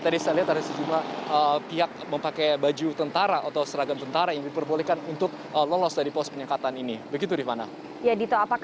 disamping ibadah ritual